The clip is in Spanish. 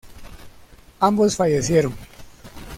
Ambos fallecieron.